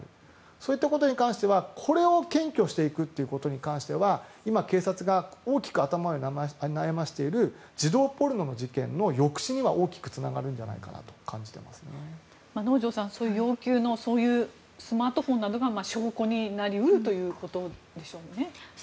そういったことに関してはこれを検挙していくことに関しては今、警察が大きく頭を悩ましている児童ポルノの事件の抑止には大きくつながるんじゃないかなと能條さん、そういう要求のスマートフォンなどが証拠になり得るということでしょうね。